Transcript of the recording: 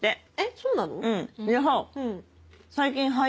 そうなの？